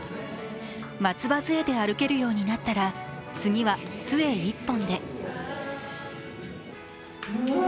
松葉づえで歩けるようになったら、次は、つえ１本で。